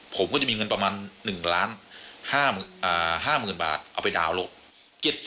ผมก็จะมีเงินประมาณ๑๕๐๐๐บาทเอาไปดาวน์ลูก